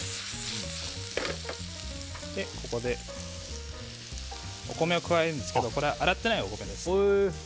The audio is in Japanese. ここでお米を加えるんですがこれは洗ってないお米です。